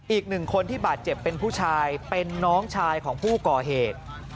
อีกหนึ่งคนที่บาดเจ็บเป็นผู้ชายเป็นน้องชายของผู้ก่อเหตุ